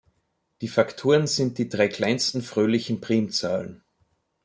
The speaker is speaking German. Die Faktoren sind die drei kleinsten fröhlichen Primzahlen.